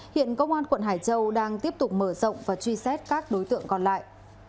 hiện công an quận hải châu đang tiếp tục mở rộng và truy xét các đối tượng còn lại